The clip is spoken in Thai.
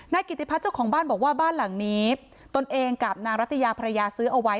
กิติพัฒน์เจ้าของบ้านบอกว่าบ้านหลังนี้ตนเองกับนางรัตยาภรรยาซื้อเอาไว้